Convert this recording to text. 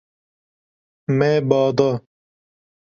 Me ba da.